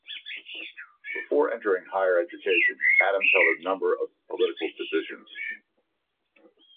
Before entering higher education, Adams held a number of political positions.